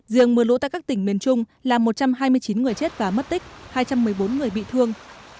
riêng mưa lũ tại các tỉnh miền trung là một trăm hai mươi chín người chết và mất tích hai trăm một mươi bốn người bị thương